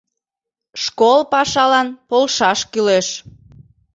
Школ пашалан полшаш кӱлеш.